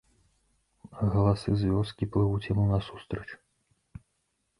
Галасы з вёскі плывуць яму насустрач.